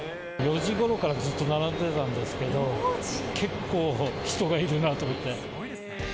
４時ごろからずっと並んでたんですけど、結構人がいるなと思って。